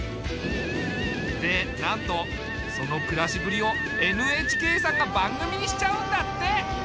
でなんとその暮らしぶりをＮＨＫさんが番組にしちゃうんだって。